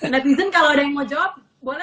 netizen kalau ada yang mau jawab boleh